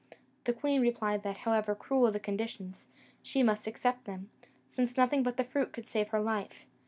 The queen replied that, however cruel the conditions, she must accept them, since nothing but the fruit could save her life.